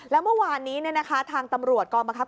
แล้วเมื่อวานนี้ทางตำรวจกองบังคับ